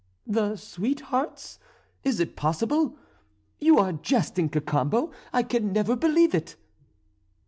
"The sweethearts! Is it possible? You are jesting, Cacambo, I can never believe it!"